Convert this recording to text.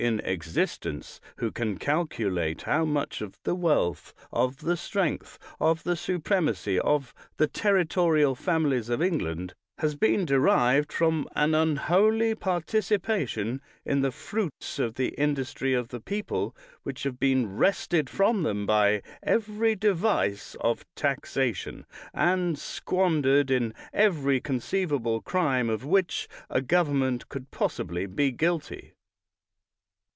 227 THE WORLD'S FAMOUS ORATIONS in existence who can calculate how much oi the wealth, of the strength, of the supremacy of the territorial families of England, has been derived from an unholy participation in the fruits of the industrj' of the people, which have been wrested from them by every device of taxation, and squandered in every conceivable crime of which a government could possibly be guilty.